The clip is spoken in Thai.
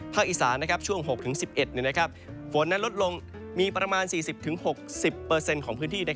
อีสานช่วง๖๑๑ฝนนั้นลดลงมีประมาณ๔๐๖๐ของพื้นที่